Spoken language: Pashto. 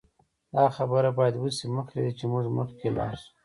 دا خبره باید وشي مخکې له دې چې موږ مخکې لاړ شو